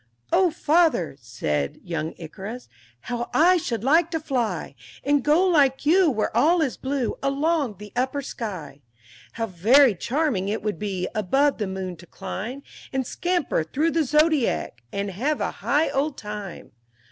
V "O father," said young Icarus, "how I should like to fly! And go like you where all is blue along the upper sky; How very charming it would be above the moon to climb, And scamper through the Zodiac, and have a high old time!